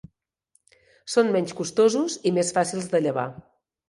Són menys costosos i més fàcils de llevar.